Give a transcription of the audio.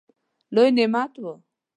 لوی نعمت وو.